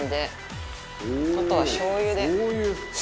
あとはしょう油で。